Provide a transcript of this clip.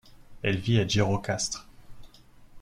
Elle vit à Gjirokastre.